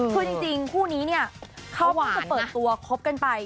คือจริงคู่นี้เนี่ยเขาเพิ่งจะเปิดตัวคบกันไป